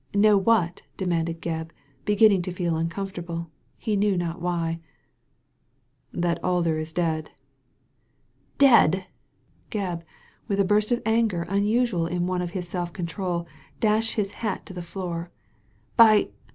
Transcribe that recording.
"Know what?" demanded Gebb, beginning to feel uncomfortable ; he knew not why. That Alder is dead." " Dead !" Gebb, with a burst of anger unusual in one of his self*control, dashed his hat on the floor. " By